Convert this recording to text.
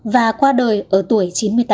và qua đời ở tuổi chín mươi tám